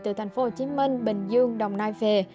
từ tp hcm bình dương đồng nai về